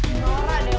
menyora deh lo